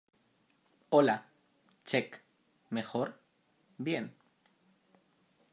Hola. Check .¿ mejor? bien .